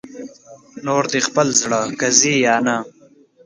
نور دې خپل زړه که ځې یا نه